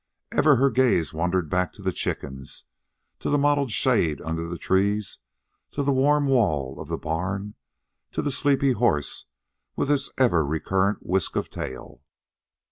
Ever her gaze wandered back to the chickens, to the mottled shade under the trees, to the warm wall of the barn, to the sleepy horse with its ever recurrent whisk of tail.